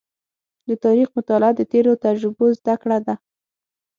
د تاریخ مطالعه د تېرو تجربو زده کړه ده.